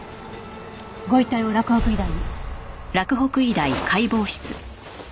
ご遺体を洛北医大に。